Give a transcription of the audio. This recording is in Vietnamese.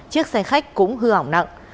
chiếc xe khách cũng hư hỏng nặng